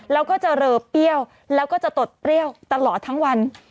แล้วก็จะรอเปรี้ยวแล้วก็จะตดเปรี้ยวตลอดทั้งวัน